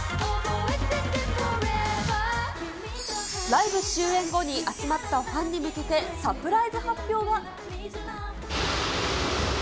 ライブ終演後に集まったファンに向けてサプライズ発表が。